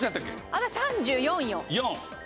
私３４よ。